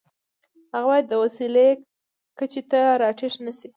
هغه باید د وسیلې کچې ته را ټیټ نشي.